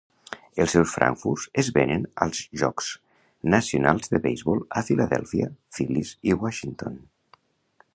Els seus frankfurts es venen als jocs nacionals de beisbol a Philadelphia Phillies i Washington.